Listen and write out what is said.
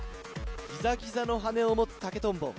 ギザギザの羽根を持つ竹とんぼ。